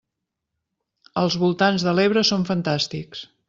Els voltants de l'Ebre són fantàstics!